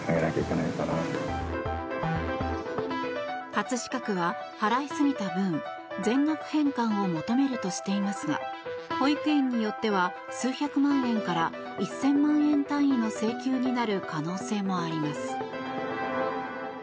葛飾区は、払い過ぎた分全額返還を求めるとしていますが保育園によっては数百万円から１０００万円単位の請求になる可能性もあります。